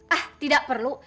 ah tidak perlu